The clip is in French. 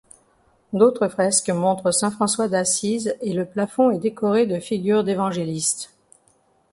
D'autres fresques montrent saint François d'Assise et le plafond est décoré de figures d'évangélistes.